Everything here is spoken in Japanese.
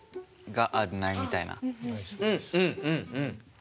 うんうんうんうん！